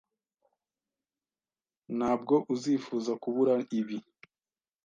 Ntabwo uzifuza kubura ibi.